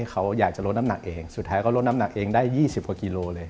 เขาอยากจะลดน้ำหนักเองสุดท้ายก็ลดน้ำหนักเองได้๒๐กว่ากิโลเลย